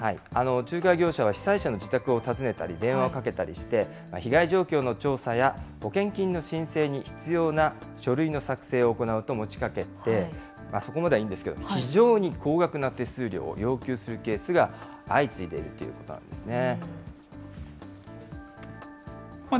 仲介業者は被災者の自宅を訪ねたり、電話をかけたりして、被害状況の調査や保険金の申請に必要な書類の作成を行うと持ちかけて、そこまではいいんですけど、非常に高額な手数料を要求するケースが相次いでいるということなんですね。